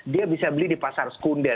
dia bisa beli di pasar sekunder